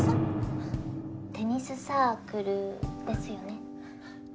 テニスサークルですよね？